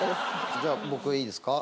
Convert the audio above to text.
じゃあ僕いいですか？